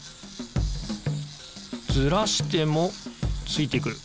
ずらしてもついてくる。